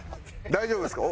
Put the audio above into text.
大丈夫ですか？